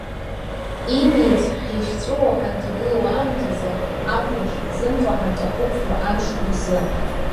Имиц ҳихьҵәыуо ҳанҭагылоу аамҭазы, Ахәрашәа ҳзымхо ҳанкахәыцуа амшқәа рзы.